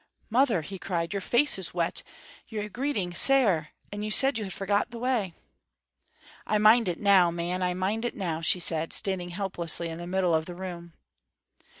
"Mother," he cried, "your face is wet, you're greeting sair, and you said you had forgot the way." "I mind it now, man, I mind it now," she said, standing helplessly in the middle of the room.